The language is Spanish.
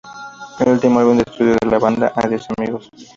El último álbum de estudio de la banda "¡Adiós Amigos!